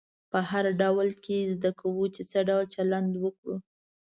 په هر رول کې زده کوو چې څه ډول چلند وکړو.